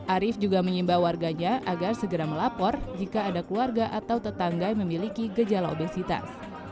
arief juga mengimbau warganya agar segera melapor jika ada keluarga atau tetangga yang memiliki gejala obesitas